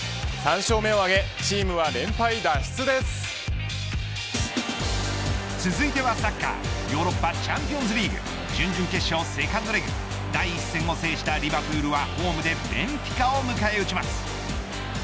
３勝目を挙げ続いてはサッカーヨーロッパチャンピオンズリーグ準々決勝セカンドレグ第一戦を制したリヴァプールはホームでベンフィカを迎え撃ちます。